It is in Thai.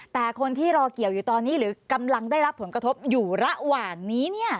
แต่คนที่รอเกี่ยวอยู่ตอนนี้หรือกำลังได้รับผลกระทบอยู่ระหว่างนี้